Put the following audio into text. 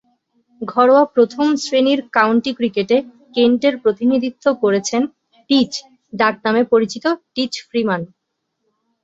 ঘরোয়া প্রথম-শ্রেণীর কাউন্টি ক্রিকেটে কেন্টের প্রতিনিধিত্ব করেছেন ‘টিচ’ ডাকনামে পরিচিত টিচ ফ্রিম্যান।